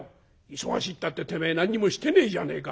「忙しいたっててめえ何にもしてねえじゃねえか」。